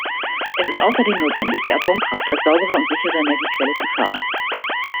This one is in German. Es ist außerdem notwendig, die Atomkraft als saubere und sichere Energiequelle zu fördern.